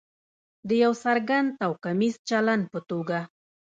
د یو څرګند توکمیز چلند په توګه.